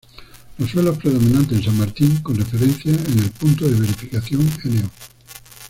Los suelos predominantes en San Martín, con referencia en el Punto de Verificación No.